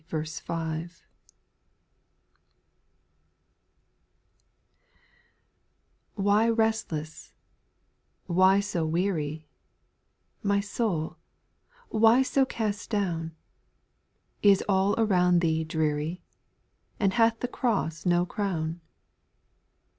TT7IIY restless, why so weary ^ w My soul, why so cast down ? Is all around thee dreary ? And hath the cross no crown